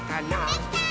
できたー！